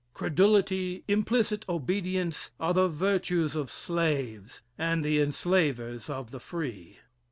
Credulity, implicit obedience, are the virtues of slaves and the enslavers of the free.